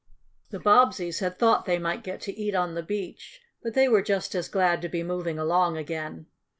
The Bobbseys had thought they might get to eat on the beach, but they were just as glad to be moving along again.